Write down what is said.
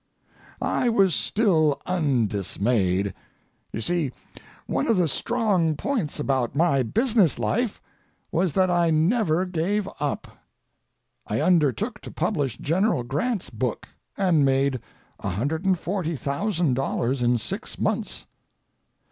I was still undismayed. You see, one of the strong points about my business life was that I never gave up. I undertook to publish General Grant's book, and made $140,000 in six months.